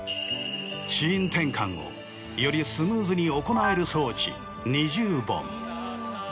シーン転換をよりスムーズに行える装置二重盆。